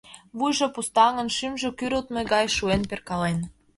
Вуйжо пустаҥын, шӱмжӧ кӱрылтмӧ гай шуэн перкален.